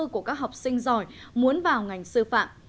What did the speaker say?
của các học sinh giỏi muốn vào ngành sư phạm